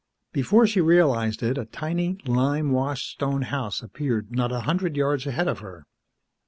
Before she realized it, a tiny, lime washed stone house appeared not a hundred yards ahead of her.